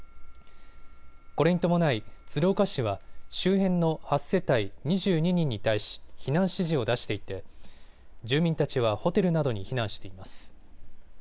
これに伴い鶴岡市は周辺の８世帯２２人に対し避難指示を出していて住民たちはホテルなどに避難しています。